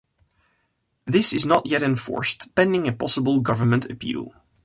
This is not yet enforced, pending a possible government appeal.